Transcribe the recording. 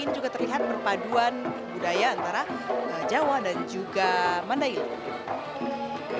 ini juga terlihat berpaduan budaya antara jawa dan juga mandailing